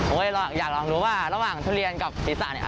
ผมก็อยากลองดูว่าระหว่างทุเรียนกับศิษย์ศาสตร์เนี่ย